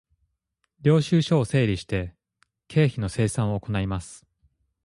領収書を整理して、経費の精算を行います。